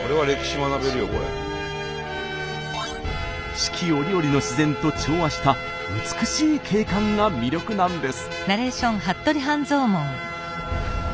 四季折々の自然と調和した美しい景観が魅力なんです。